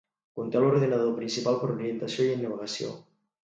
Conté l'ordinador principal per orientació i navegació.